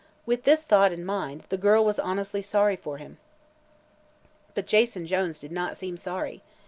With this thought in mind, the girl was honestly sorry him. But Jason Jones did not seem sorry.